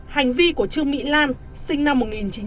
hành vi của trương mỹ lan sinh năm một nghìn chín trăm năm mươi sáu